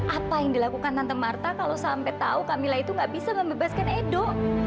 apa yang dilakukan tante marta kalau sampai tahu camilla itu gak bisa membebaskan edo